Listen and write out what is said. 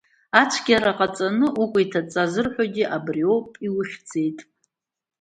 Ацәгьара ҟаҵаны укәа иҭаҵа зырҳәогьы убри ауп, иухьӡеит…